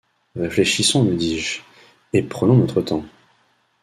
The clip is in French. Réfléchissons, me dis-je, et prenons notre temps.